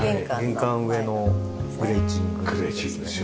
玄関上のグレーチングですね。